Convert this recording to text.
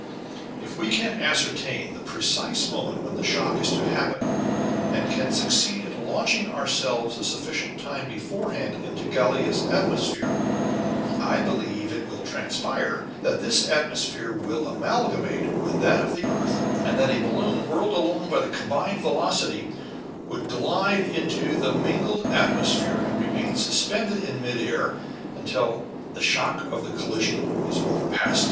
"If we can ascertain the precise moment when the shock is to happen, and can succeed in launching ourselves a sufficient time beforehand into Gallia's atmosphere, I believe it will transpire that this atmosphere will amalgamate with that of the earth, and that a balloon whirled along by the combined velocity would glide into the mingled atmosphere and remain suspended in mid air until the shock of the collision is overpast."